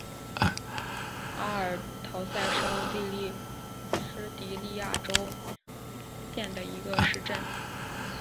阿尔陶塞是奥地利施蒂利亚州利岑县的一个市镇。